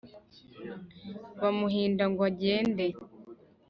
Bamuhinda ngo agende